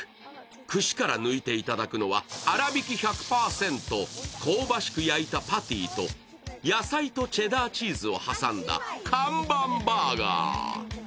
串から抜いていただくのは粗びき１００％、香ばしく焼いたパティと野菜とチェダーチーズを挟んだ看板バーガー。